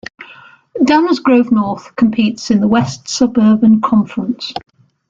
Downers Grove North competes in the West Suburban Conference.